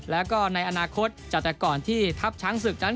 แล้วก็ในอนาคตจากแต่ก่อนที่ทัพช้างศึกนั้น